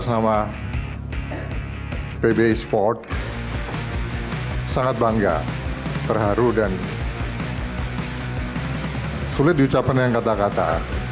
saya pb esports sangat bangga terharu dan sulit diucapkan dengan kata kata